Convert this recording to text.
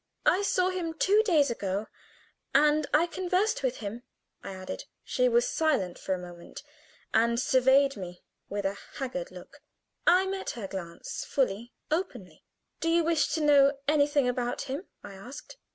"I saw him two days ago, and I conversed with him," I added. She was silent for a moment, and surveyed me with a haggard look. I met her glance fully, openly. "Do you wish to know anything about him?" I asked.